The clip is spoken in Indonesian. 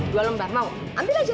dua lembar mau ambil aja